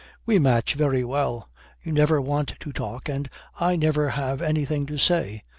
"We match very well. You never want to talk, and I never have anything to say."